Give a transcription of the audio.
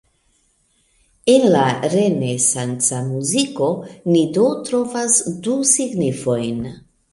En la renesanca muziko ni do trovas du signifojn.